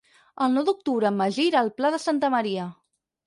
El nou d'octubre en Magí irà al Pla de Santa Maria.